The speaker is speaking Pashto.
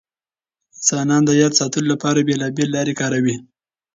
انسانان د یاد ساتلو لپاره بېلابېل لارې کاروي.